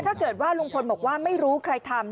ถ้าเกิดว่าลุงพลบอกว่าไม่รู้ใครทำ